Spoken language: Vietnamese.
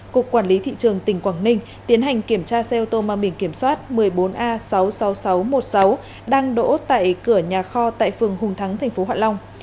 cục quản lý thị trường tỉnh quảng ninh tiến hành kiểm tra xe ô tô mang biển kiểm soát một mươi bốn a sáu mươi sáu nghìn sáu trăm một mươi sáu đang đỗ tại cửa nhà kho tại phường hùng thắng tp hạ long